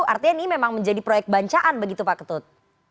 artinya ini memang menjadi proyek bancaan begitu pak ketut